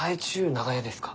長屋ですか？